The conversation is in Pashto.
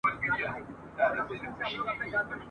د ملالي دننګ چيغي !.